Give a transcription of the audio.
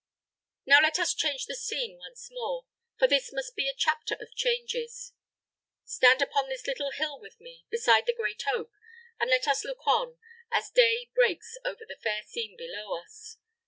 Now let us change the scene once more, for this must be a chapter of changes. Stand upon this little hill with me, beside the great oak, and let us look on, as day breaks over the fair scene below us.